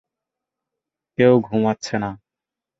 কেউ ঘুমাচ্ছে না।